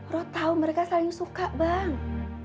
lo tau mereka saling suka bang